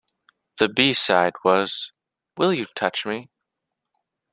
The B-side was "Will You Touch Me".